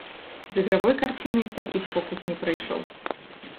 З ігравой карцінай такі б фокус не прайшоў.